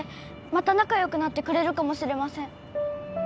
また仲よくなってくれるかもしれません